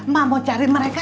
ma mau cari mereka